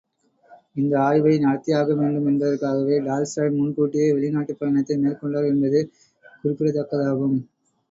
இந்த ஆய்வை நடத்தியாக வேண்டும் என்பதற்காகவே, டால்ஸ்டாய் முன்கூட்டியே வெளிநாட்டுப் பயணத்தை மேற்கொண்டார் என்பது குறிப்பிடத்தக்கதாகும்.